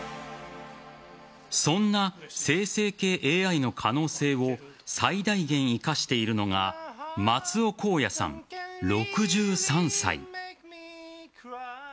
そんな生成系ＡＩの可能性を最大限生かしているのが松尾公也さん、６３歳。